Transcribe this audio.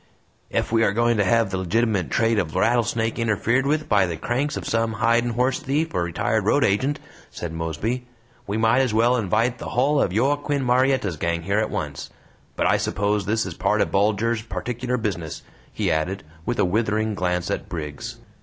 "Ef we are going to hev the legitimate trade of Rattlesnake interfered with by the cranks of some hidin' horse thief or retired road agent," said Mosby, "we might as well invite the hull of Joaquin Murietta's gang here at once! But I suppose this is part o' Bulger's particular 'business,'" he added, with a withering glance at Briggs.